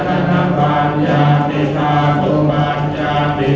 สุดท้ายเท่าไหร่สุดท้ายเท่าไหร่